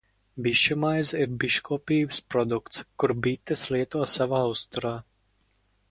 Bišu maize ir biškopības produkts, kuru bites lieto savā uzturā.